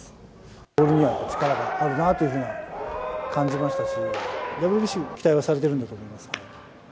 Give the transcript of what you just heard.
ボールには力があるなというふうに感じましたし、ＷＢＣも期待されてるんだなと思います。